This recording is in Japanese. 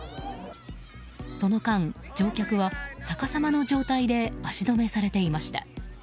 その間、乗客は逆さまの状態で足止めされていました。